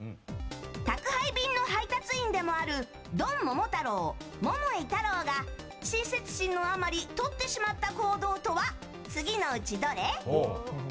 宅配便の配達員でもあるドンモモタロウ、桃井タロウが親切心のあまりとってしまった行動とは次のうち、どれ？